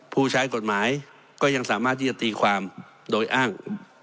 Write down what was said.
ผู้ใช้กฎหมายก็ยังสามารถที่จะตีความโดยอ้าง